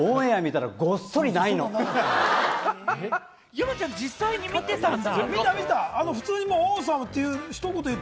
山ちゃん、実際に見てたんだ。